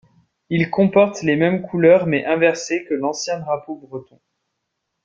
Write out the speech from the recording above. Il comporte les mêmes couleurs — mais inversées — que l'ancien drapeau breton.